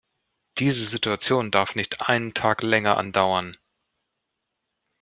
Diese Situation darf nicht einen Tag länger andauern.